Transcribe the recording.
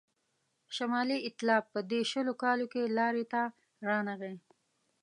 شمالي ایتلاف په دې شلو کالو کې لاري ته رانغی.